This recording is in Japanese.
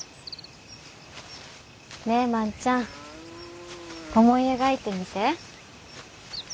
ねえ万ちゃん思い描いてみて。